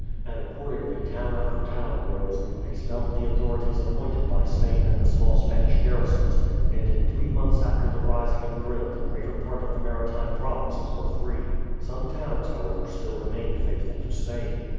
And accordingly town after town rose, expelled the authorities appointed by Spain and the small Spanish garrisons, and in three months after the rising of Brill the greater part of the maritime provinces were free. Some towns, however, still remained faithful to Spain.